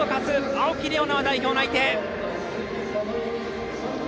青木玲緒樹は代表内定。